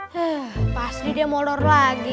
hah pasti dia molor lagi